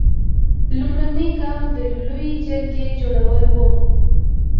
لومړنی ګام د لویې جرګې جوړول و.